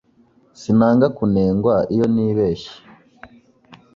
Sinanga kunengwa iyo nibeshye.